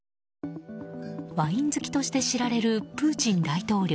ワイン好きとして知られるプーチン大統領。